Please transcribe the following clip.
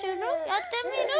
やってみる？